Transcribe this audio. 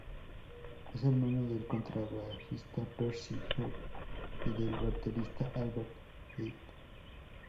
Es hermano del contrabajista Percy Heath y del baterista Albert Heath.